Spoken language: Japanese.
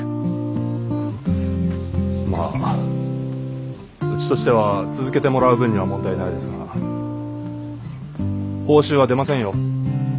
まあうちとしては続けてもらう分には問題ないですが報酬は出ませんよ。